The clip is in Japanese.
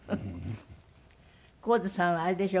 神津さんはあれでしょ？